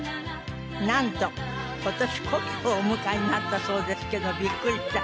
なんと今年古希をお迎えになったそうですけどビックリしちゃう。